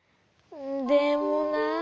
でもなあ。